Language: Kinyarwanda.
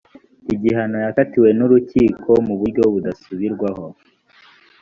igihano yakatiwe n’urukiko mu buryo budasubirwaho